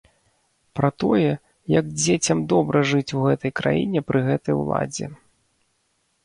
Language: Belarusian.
Пра тое, як дзецям добра жыць ў гэтай краіне пры гэтай уладзе.